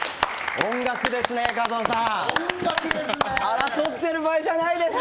音楽ですね、加藤さん！